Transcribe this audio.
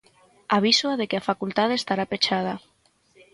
Avísoa de que a facultade estará pechada